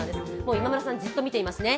今村さん、じっと見ていますね。